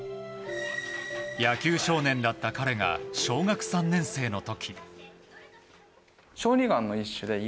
野球少年だった彼が小学３年生の時。